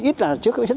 ít là trước